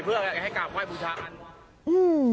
เพื่อให้กลับไหวบุญชาอันวัน